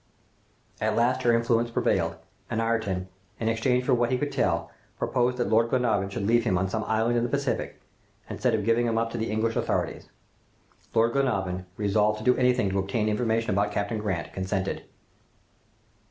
"At last, her influence prevailed, and Ayrton, in exchange for what he could tell, proposed that Lord Glenarvan should leave him on some island in the Pacific, instead of giving him up to the English authorities. Lord Glenarvan, resolving to do anything to obtain information about Captain Grant, consented.